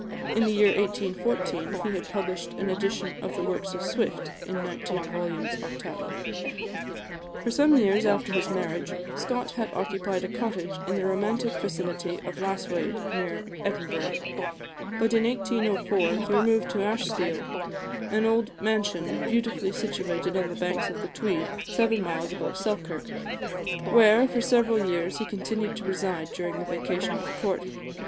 In the year 1814 he had published an edition of the works of Swift, in nineteen volumes octavo. For some years after his marriage, Scott had occupied a cottage in the romantic vicinity of Lasswade, near Edinburgh; but in 1804 he removed to Ashestiel, an old mansion, beautifully situated on the banks of the Tweed, seven miles above Selkirk, where, for several years, he continued to reside during the vacation of the Court.